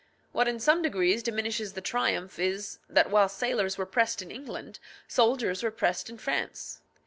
What in some degree diminishes the triumph is, that while sailors were pressed in England, soldiers were pressed in France.